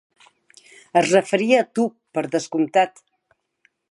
Es referia a tu, per descomptat.